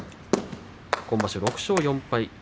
今場所、６勝４敗。